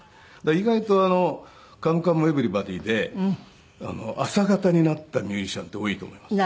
意外と『カムカムエヴリバディ』で朝型になったミュージシャンって多いと思います。